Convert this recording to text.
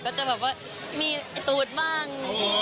ก็จะเป็นแบบว่ามีตู๊ดบ้าง